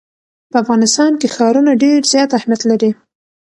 په افغانستان کې ښارونه ډېر زیات اهمیت لري.